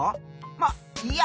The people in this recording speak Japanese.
まっいいや！